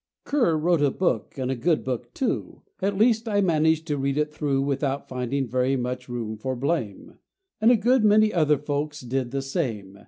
Kerr wrote a book, and a good book, too; At least I[A] managed to read it through Without finding very much room for blame, And a good many other folks did the same.